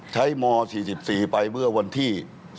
ใช้ม๔๔ไปเมื่อวันที่